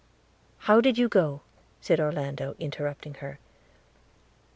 .' 'How did you go?' said Orlando, interrupting her.